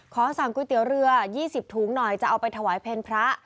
สั่งก๋วยเตี๋ยวเรือ๒๐ถุงหน่อยจะเอาไปถวายเพลงพระ